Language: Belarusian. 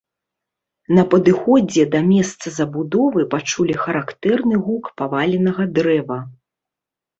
На падыходзе да месца забудовы пачулі характэрны гук паваленага дрэва.